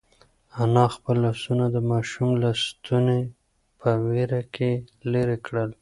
انا خپل لاسونه د ماشوم له ستوني په وېره کې لرې کړل.